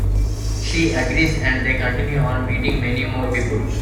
She agrees and they continue on, meeting many more people.